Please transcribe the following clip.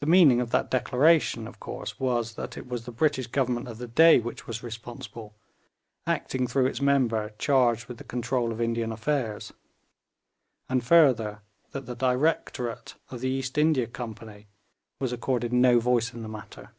The meaning of that declaration, of course, was that it was the British Government of the day which was responsible, acting through its member charged with the control of Indian affairs; and further, that the directorate of the East India Company was accorded no voice in the matter.